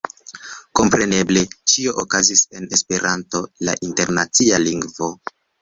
Kompreneble ĉio okazis en Esperanto, la internacia lingvo.